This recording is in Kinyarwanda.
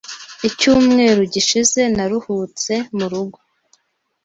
Icyumweru gishize naruhutse murugo.